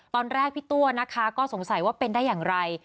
ตอนแรกพี่ตัวนะคะก็สงสัยว่าเป็นได้อย่างไร